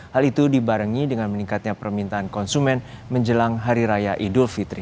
hal itu dibarengi dengan meningkatnya permintaan konsumen menjelang hari raya idul fitri